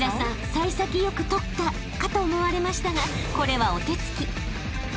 幸先良く取ったかと思われましたがこれはお手つき］